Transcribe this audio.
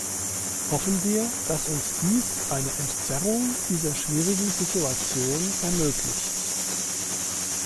Hoffen wir, dass uns dies eine Entzerrung dieser schwierigen Situation ermöglicht.